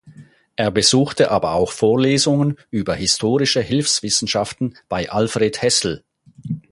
Er besuchte aber auch Vorlesungen über Historische Hilfswissenschaften bei Alfred Hessel.